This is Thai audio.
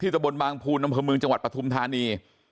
ที่ตะบลบางภูนย์นำพลเมืองจังหวัดปทุมธานี